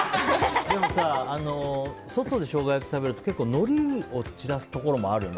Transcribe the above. でもさ、外でショウガ焼き食べると結構のりを散らすところもあるよね